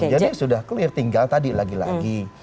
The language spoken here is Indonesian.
jadi sudah clear tinggal tadi lagi lagi